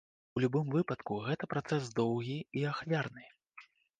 У любым выпадку гэта працэс доўгі і ахвярны.